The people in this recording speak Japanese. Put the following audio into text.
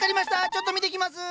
ちょっと見てきます！